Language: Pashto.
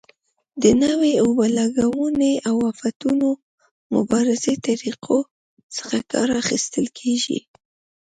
د نویو اوبه لګونې او آفتونو مبارزې طریقو څخه کار اخیستل کېږي.